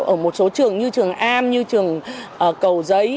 ở một số trường như trường am như trường cầu giấy